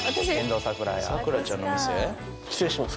失礼します。